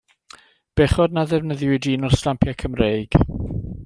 Bechod na ddefnyddiwyd un o'r stampiau Cymreig.